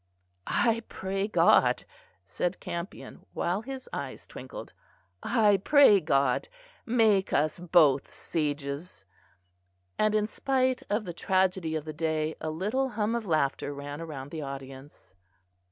"I pray God," said Campion, while his eyes twinkled, "I pray God make us both sages." And, in spite of the tragedy of the day, a little hum of laughter ran round the audience.